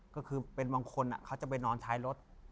ก็คือเป็นบางคนเขาจะไปนอนท้ายรถ